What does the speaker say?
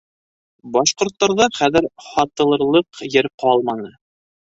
Башҡорттарҙа хәҙер һатылырлыҡ ер ҡалманы.